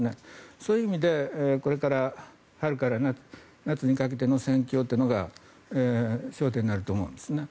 そういう意味で、これから春から夏にかけての戦況というのが焦点になると思うんですね。